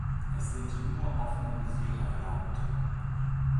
Es sind nur offene Visiere erlaubt.